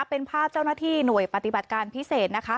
เป็นภาพเจ้าหน้าที่หน่วยปฏิบัติการพิเศษนะคะ